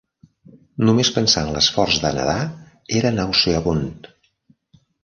Només pensar en l'esforç de nedar era nauseabund.